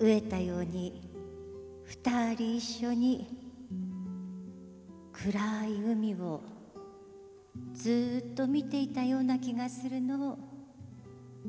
飢えたように二人一緒に暗い海をずっと見ていたような気がするの。